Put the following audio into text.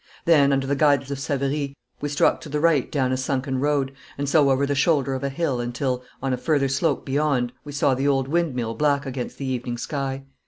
Then, under the guidance of Savary, we struck to the right down a sunken road, and so over the shoulder of a hill until, on a further slope beyond, we saw the old windmill black against the evening sky.